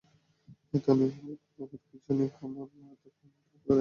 এতে অনিয়ম হলে পক্ষাঘাত, খিঁচুনি এবং কোমার মতো মারাত্মক পরিণতি হতে পারে।